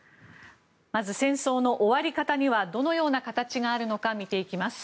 まず戦争の終わり方にはどのような形があるのか見ていきます。